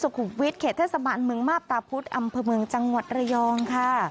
ขุมวิทย์เขตเทศบาลเมืองมาบตาพุธอำเภอเมืองจังหวัดระยองค่ะ